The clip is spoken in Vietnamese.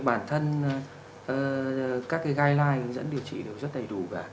bản thân các guideline dẫn điều trị đều rất đầy đủ